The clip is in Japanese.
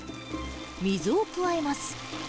水を加えます。